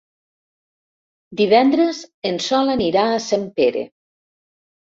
Divendres en Sol anirà a Sempere.